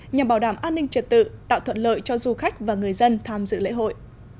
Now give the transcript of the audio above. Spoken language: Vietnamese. nhằm bảo đảm an ninh trật tự tạo thuận lợi cho du khách và người dân tham dự lễ hội